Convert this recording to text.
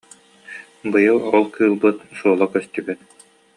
Быйыл ол кыылбыт суола көстү- бэт